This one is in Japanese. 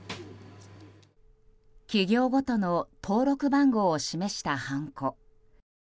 企業ごとの登録番号を示したはんこ。